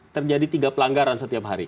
terjadi tiga pelanggaran setiap hari